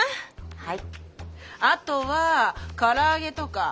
はい。